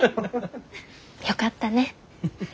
よかったね。